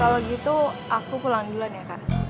kalau gitu aku pulang duluan ya kak